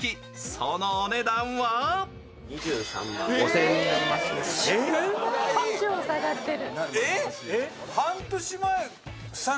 そのお値段は１０万以上、下がってる。